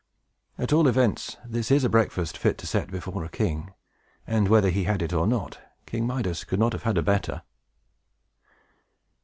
At all events, this is a breakfast fit to set before a king; and, whether he had it or not, King Midas could not have had a better.